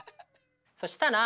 そしたら。